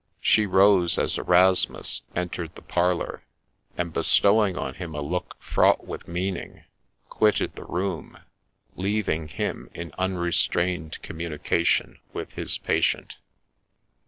She rose as Erasmus entered the parlour, and, bestowing on him a look fraught with meaning, quitted the room, leaving him in unrestrained communication with his patient.